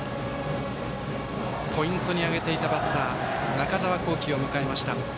ポイントに挙げていたバッター中澤恒貴を迎えました。